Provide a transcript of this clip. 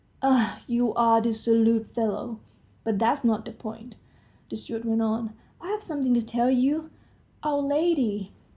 Ah, you're a dissolute fellow! But that's not the point," the steward went on, "I've something to tell you. Our lady